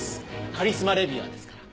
カリスマ・レビュアーですから。